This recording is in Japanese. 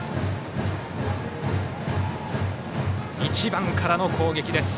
１番からの攻撃です。